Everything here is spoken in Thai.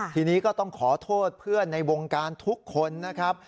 ทีนี้ก็ต้องขอโทษเพื่อนในวงการทุกคนนะครับ